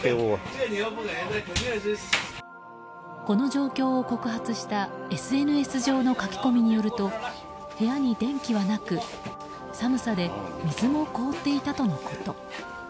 この状況を告発したＳＮＳ上の書き込みによると部屋に電気はなく寒さで水も凍っていたとのこと。